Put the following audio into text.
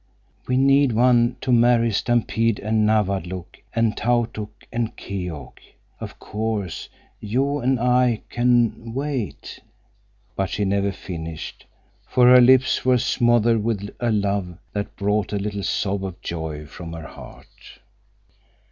We need one to marry Stampede and Nawadlook and Tautuk and Keok. Of course, you and I can wait—" But she never finished, for her lips were smothered with a love that brought a little sob of joy from her heart.